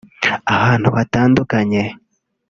ahantu hatandukanye